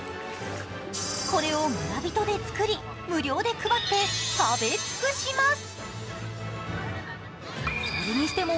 これを村人で作り、無料で配って食べ尽くします。